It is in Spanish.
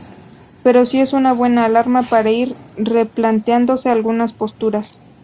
pero sí es una buena alarma para ir replanteándose algunas posturas